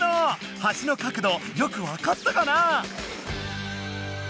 橋のかくどよくわかったかな？